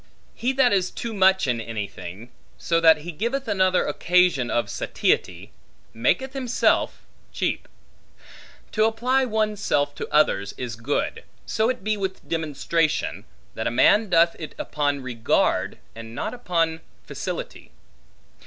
He that is too much in anything, so that he giveth another occasion of satiety, maketh himself cheap. To apply one's self to others, is good; so it be with demonstration, that a man doth it upon regard, and not upon facility.